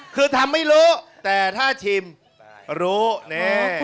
คือทำไม่รู้แต่ถ้าชิมรู้แน่